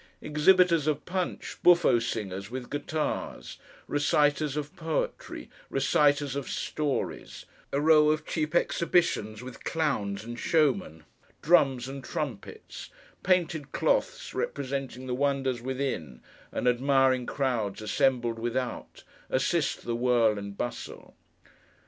Exhibitors of Punch, buffo singers with guitars, reciters of poetry, reciters of stories, a row of cheap exhibitions with clowns and showmen, drums, and trumpets, painted cloths representing the wonders within, and admiring crowds assembled without, assist the whirl and bustle.